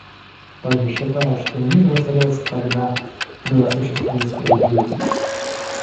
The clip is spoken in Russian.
Я также считаю, что мир воцаряется тогда, когда существует справедливость.